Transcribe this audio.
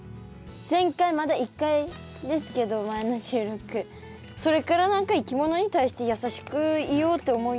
前回まだ１回ですけど前の収録それから何かいきものに対して優しくいようって思うようになりました。